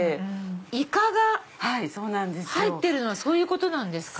イカが入ってるのはそういうことなんですか。